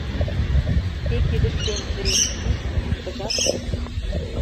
Шке кидыштемже вӱд, тыгак